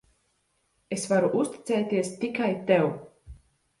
Es varu uzticēties tikai tev.